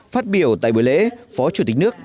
phát biểu tại buổi lễ phó chủ tịch nước